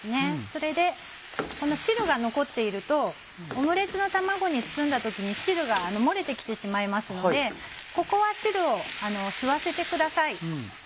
それでこの汁が残っているとオムレツの卵に包んだ時に汁が漏れて来てしまいますのでここは汁を吸わせてください。